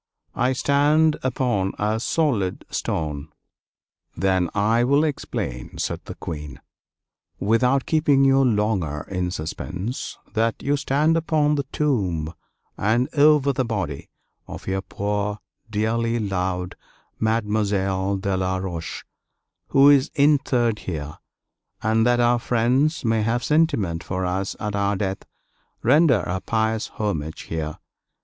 I stand upon a solid stone." "Then I will explain," said the Queen, "without keeping you longer in suspense, that you stand upon the tomb and over the body of your poor dearly loved Mademoiselle de La Roche, who is interred here; and that our friends may have sentiment for us at our death, render a pious homage here.